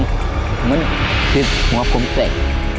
ก็อย่างพืชครับผมเจ็บ